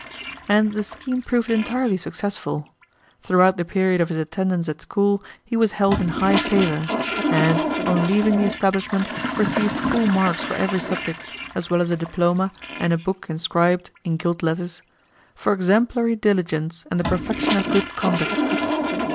And the scheme proved entirely successful. Throughout the period of his attendance at school he was held in high favour, and, on leaving the establishment, received full marks for every subject, as well as a diploma and a book inscribed (in gilt letters) "For Exemplary Diligence and the Perfection of Good Conduct."